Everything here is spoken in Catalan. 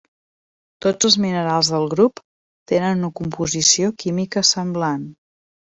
Tots els minerals del grup tenen una composició química semblant.